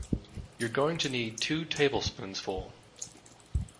You’re going to need two tablespoonsful.